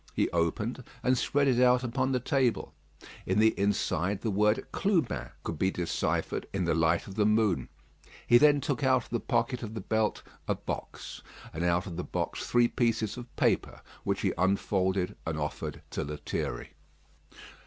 He opened, and spread it out upon the table; in the inside the word "Clubin" could be deciphered in the light of the moon. He then took out of the pocket of the belt a box, and out of the box three pieces of paper, which he unfolded and offered to Lethierry.